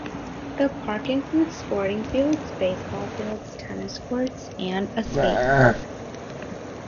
The park includes sporting fields, baseball fields, tennis courts and a skate park.